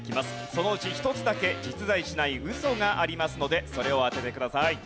そのうち１つだけ実在しないウソがありますのでそれを当ててください。